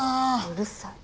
うるさい。